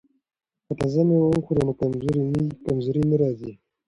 که تازه میوه وخورو نو کمزوري نه راځي.